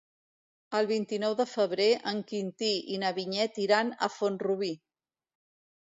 El vint-i-nou de febrer en Quintí i na Vinyet iran a Font-rubí.